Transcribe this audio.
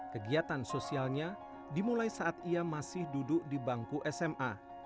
kegiatan sosialnya dimulai saat ia masih duduk di bangku sma